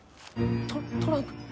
トトランク。